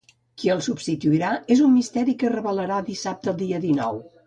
Qui el substituirà és un misteri que es revelarà dissabte, dia dinou.